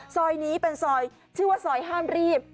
ซอยนี้เป็นซอยชื่อว่าซอยห้ามรีบ